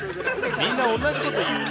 みんな同じこと言うね。